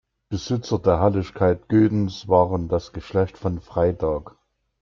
Besitzer der Herrlichkeit Gödens war das Geschlecht von Frydag.